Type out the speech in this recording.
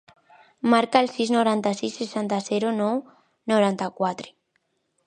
Marca el sis, noranta-sis, setanta, zero, nou, noranta-quatre.